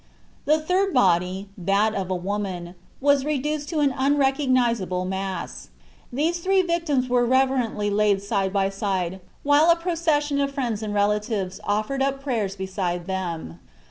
The third body, that of a woman, was reduced to an unrecognizable mass. These three victims were reverently laid side by side while a procession of friends and relatives offered up prayers beside them.